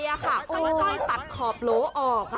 พอป็งก็ตัดขอบโหลออก